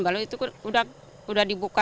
lalu itu udah dibuka